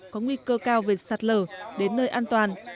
có nguy cơ cao về sạt lở đến nơi an toàn